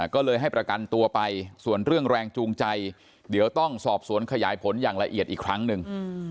ก็เลยให้ประกันตัวไปส่วนเรื่องแรงจูงใจเดี๋ยวต้องสอบสวนขยายผลอย่างละเอียดอีกครั้งหนึ่ง